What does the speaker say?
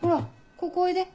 ここおいで。